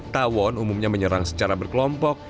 tawon umumnya menyerang secara berkelompok